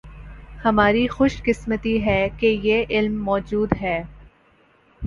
ہماری خوش قسمتی ہے کہ یہ علم موجود ہے